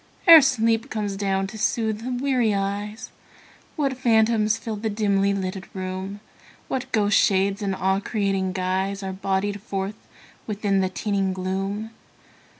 Ere sleep comes down to soothe the weary eyes, What phantoms fill the dimly lighted room; What ghostly shades in awe creating guise Are bodied forth within the teeming gloom.